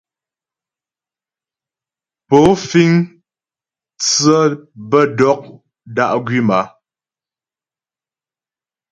Pó fíŋ mtsə́ bə dɔ̀k dá' gwím a ?